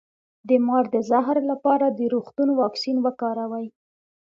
د مار د زهر لپاره د روغتون واکسین وکاروئ